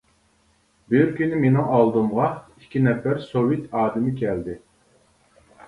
بىر كۈنى مېنىڭ ئالدىمغا ئىككى نەپەر سوۋېت ئادىمى كەلدى.